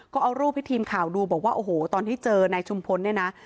ก็เอารูปให้ทีมข่าวดูบอกว่าโอ้โหตอนที่เจอนายชุมพลเนี่ยนะ